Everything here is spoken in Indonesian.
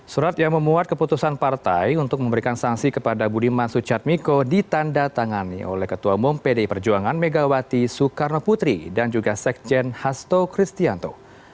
surat yang memuat keputusan partai untuk memberikan sanksi kepada budiman sujatmiko ditanda tangani oleh ketua umum pdi perjuangan megawati soekarno putri dan juga sekjen hasto kristianto